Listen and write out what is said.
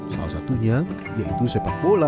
salah satunya yaitu sepak bola